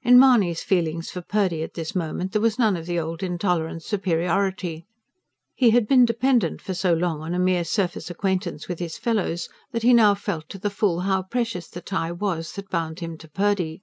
In Mahony's feelings for Purdy at this moment, there was none of the old intolerant superiority. He had been dependent for so long on a mere surface acquaintance with his fellows, that he now felt to the full how precious the tie was that bound him to Purdy.